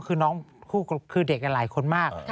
คือน้องคือเด็กหลายคนมาก